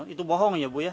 itu bohong ya bu ya